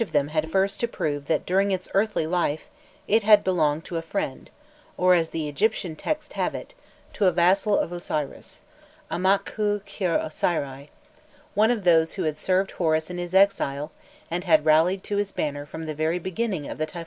Each of them had first to prove that during its earthly life it had belonged to a friend, or, as the Egyptian texts have it, to a vassal of Osiris amakhû khir Osiri one of those who had served Horus in his exile and had rallied to his banner from the very beginning of the Typhonian wars.